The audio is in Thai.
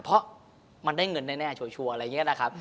เพราะมันได้เงินแน่ชัวร์อะไรอย่างนี้นะครับ